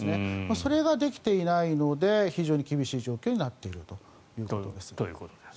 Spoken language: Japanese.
それができていないので非常に厳しい状況にということです。